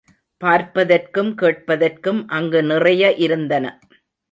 பார்ப்பதற்கும் கேட்பதற்கும் அங்கு நிறைய இருந்தன.